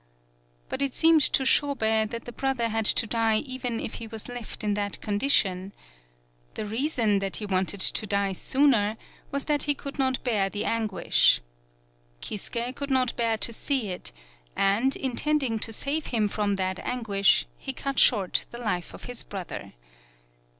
But it seemed to Shobei that the brother had to die even if he was left in that condition. The reason that he wanted to die sooner was that he could not bear the anguish. Kisuke could not bear to see it, and, intending to save him from that anguish, he cut short the life of his brother.